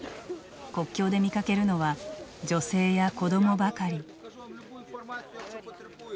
国境で見かけるのは女性や子どもばかり。